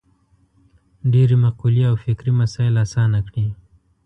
ډېرې مقولې او فکري مسایل اسانه کړي.